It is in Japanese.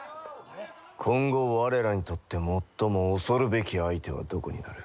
今後我らにとって最も恐るべき相手はどこになる？